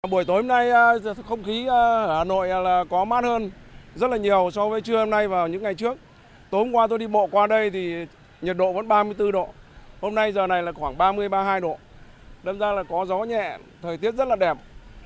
buổi tối hôm nay không khí ở hà nội có mát hơn rất là nhiều so với trưa hôm nay vào những ngày trước tối hôm qua tôi đi bộ qua đây thì nhiệt độ vẫn ba mươi bốn độ hôm nay giờ này là khoảng ba mươi ba mươi hai độ đâm ra là có gió nhẹ thời tiết rất là đẹp